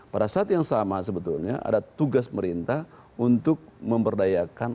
pada saat yang sama sebetulnya ada tugas pemerintah untuk memberdayakan